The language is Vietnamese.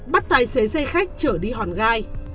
bắt tài xế xe khách trở đi hòn gai